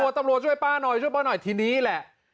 ตำรวจตำรวจช่วยป้าหน่อยทีนี้แหละ